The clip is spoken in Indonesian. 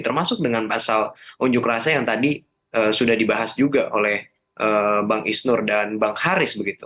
termasuk dengan pasal unjuk rasa yang tadi sudah dibahas juga oleh bang isnur dan bang haris begitu